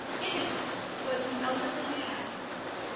In it was an elderly man.